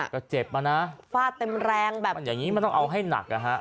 ก็เจ็บมานะฟาดเต็มแรงแบบมันอย่างนี้มันต้องเอาให้หนักนะฮะ